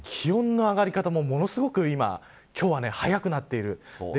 気温の上がり方も、ものすごく今日は早くなっている。